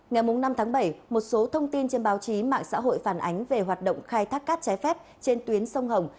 ngày năm tháng bảy một số thông tin trên báo chí mạng xã hội phản ánh về hoạt động khai thác cát trái phép trên tuyến sông hồng